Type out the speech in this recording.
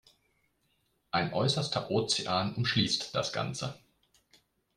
Ein äußerster Ozean umschließt das Ganze.